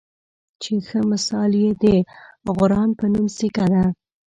چې ښۀ مثال یې د غران پۀ نوم سیکه ده